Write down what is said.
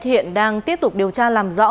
hiện đang tiếp tục điều tra làm rõ